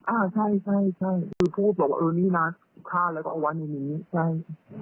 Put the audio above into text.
อ่าใช่ใช่คือพูดบอกว่าเออนี่นะฆ่าแล้วก็เอาไว้ในนี้ใช่